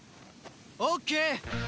オッケー！